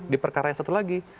di perkara yang satu lagi